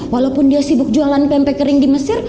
walaupun dia sibuk jualan pempek kering di mesir